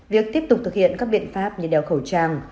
việc tiếp tục thực hiện các biện pháp như đeo khẩu trang